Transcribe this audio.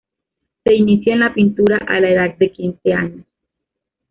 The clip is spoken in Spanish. Se inicia en la pintura a la edad de quince años.